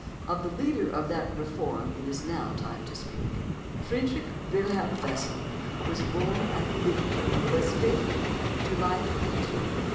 Of the leader of that reform it is now time to speak. Friedrich Wilhelm Bessel was born at Minden, in Westphalia, July 22, 1784.